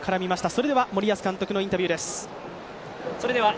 それでは森保監督のインタビューです。